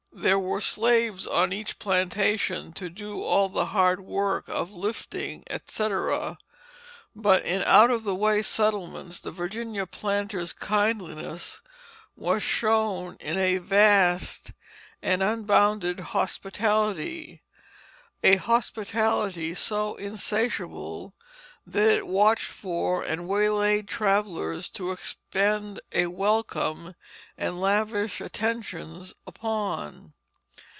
There were slaves on each plantation to do all the hard work of lifting, etc. But in out of the way settlements the Virginia planters' kindliness was shown in a vast and unbounded hospitality, a hospitality so insatiable that it watched for and waylaid travellers to expend a welcome and lavish attentions upon.